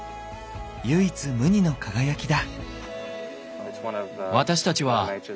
唯一無二の輝きだ。